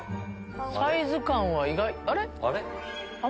サイズ感は意外あれ？